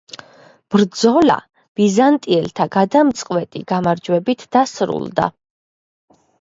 ბრძოლა ბიზანტიელთა გადამწყვეტი გამარჯვებით დასრულდა.